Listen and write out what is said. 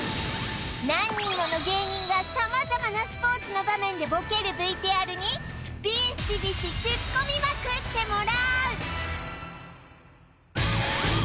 何人もの芸人が様々なスポーツの場面でボケるＶＴＲにビシビシツッコミまくってもらう！